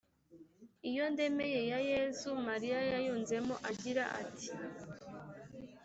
iyo “ndemeye” ya yezu, mariya yayunzemo agira ati: